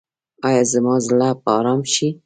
ایا زما زړه به ارام شي؟